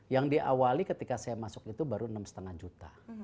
yang diawali ketika saya masuk itu baru enam lima juta